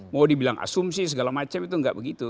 mau dibilang asumsi segala macam itu nggak begitu